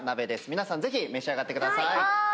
皆さんぜひ召し上がってください。